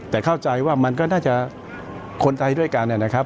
แต่เข้าใจว่ามันก็น่าจะคนไทยด้วยกันนะครับ